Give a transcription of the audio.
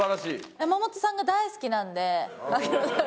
山本さんが大好きなんで柿の種。